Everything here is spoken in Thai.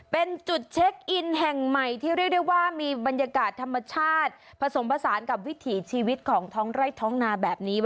เป็นจุดเช็คอินแห่งใหม่ที่เรียกได้ว่ามีบรรยากาศธรรมชาติผสมผสานกับวิถีชีวิตของท้องไร่ท้องนาแบบนี้